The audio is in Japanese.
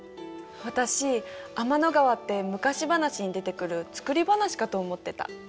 私天の川って昔話に出てくる作り話かと思ってた。